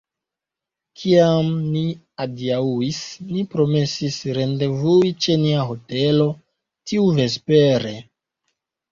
Kiam ni adiaŭis, ni promesis rendevui ĉe nia hotelo tiuvespere.